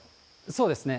そうですね。